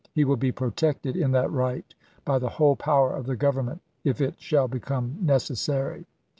He will be protected in that right by the whole power of the Government if it shall become necessary."